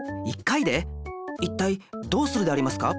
いったいどうするでありますか？